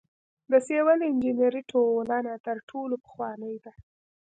د سیول انجنیری ټولنه تر ټولو پخوانۍ ده.